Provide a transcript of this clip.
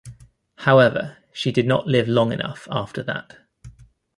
However, she did not live long enough after that.